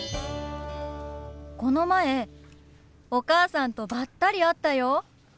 この前お母さんとばったり会ったよ！